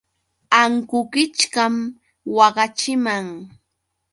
Ankukichkam waqaachiman.